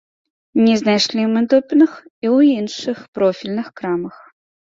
Не знайшлі мы допінг і ў іншых профільных крамах.